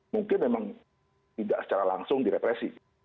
mungkin memang tidak secara langsung direpresi